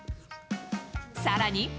さらに。